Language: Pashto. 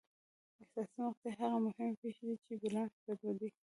حساسې مقطعې هغه مهمې پېښې دي چې بیلانس ګډوډوي.